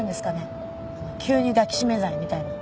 「急に抱きしめ罪」みたいな。